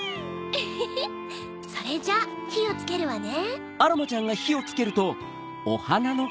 ウフフそれじゃあひをつけるわね。